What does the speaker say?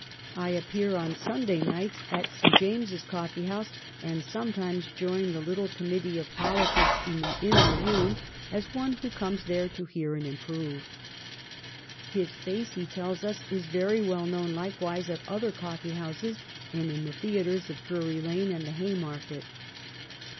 ' I appear on Sunday nights at St. James's coffee house, and sometimes join the little committee of politics in the inner room, as one who comes there to hear and improve.' His face, he tells us, is very well known likewise at other coffee houses and in the theatres of Drury Lane and the Haymarket.